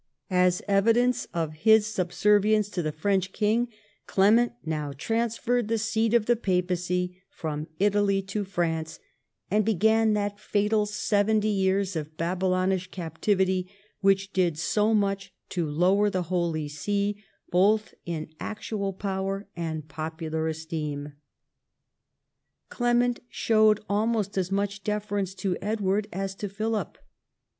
As evidence of his subservience to the French king, Clement now transferred the seat of the papacy from Italy to France, and began that fatal seventy years of Babylonish Captivity, which did so much to lower the Holy See, both in actual power and popular esteem. Clement showed almost as much deference to Edward as to Philip.